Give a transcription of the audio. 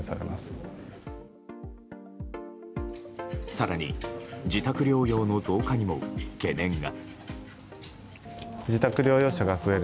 更に自宅療養の増加にも懸念が。